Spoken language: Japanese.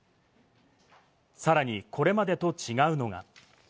さらにこれまでと違うのが。